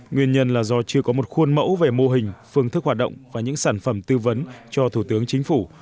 nguyên nhân là do chưa có một khuôn mẫu về mô hình phương thức hoạt động và những sản phẩm tư vấn cho thủ tướng chính phủ